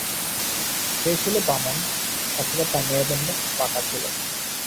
সে ছিল বামন অথবা তার মেরুদণ্ড বাঁকা ছিল।